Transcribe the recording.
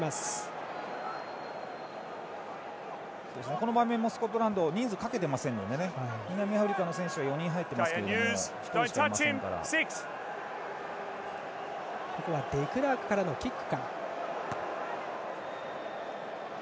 この場面も、スコットランドは人数をかけてませんので南アフリカの選手は４人入っていますけれどもデクラークからのキック。